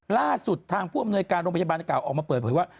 ล่าสุดทางผู้อำนวยการโรงพยาบาลกล่าออกมาเปิดเผยว่า